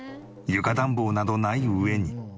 床暖房などない上に。